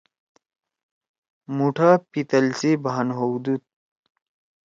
مُوٹھا پِتل سی بھان ہؤدُودُو۔